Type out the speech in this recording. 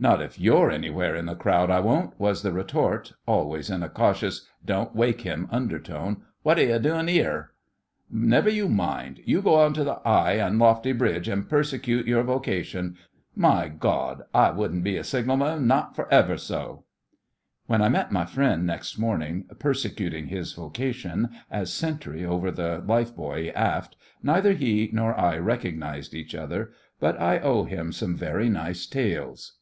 'Not if you're anywhere in the crowd I won't,' was the retort, always in a cautious, 'don't wake him' undertone. 'Wot are you doin' 'ere?' 'Never you mind. You go on up to the 'igh an' lofty bridge an' persecute your vocation. My Gawd! I wouldn't be a signalman, not for ever so.' When I met my friend next morning 'persecuting his vocation' as sentry over the lifebuoy aft neither he nor I recognised each other; but I owe him some very nice tales.